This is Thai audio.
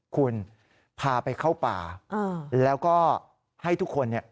คุณพาไปเข้าป่าแล้วก็ให้ทุกคนเนี่ย